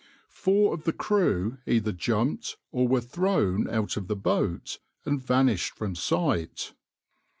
Four of the crew either jumped or were thrown out of the boat, and vanished from sight.